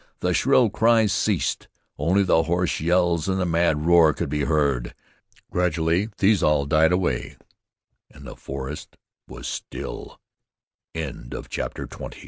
The shrill cries ceased; only the hoarse yells and the mad roar could be heard. Gradually these also died away, and the forest was still. CHAPTER XXI Next morning, w